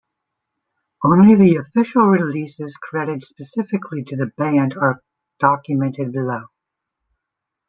Only the official releases credited specifically to the band are documented below.